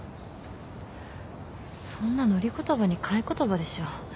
そんなの売り言葉に買い言葉でしょ。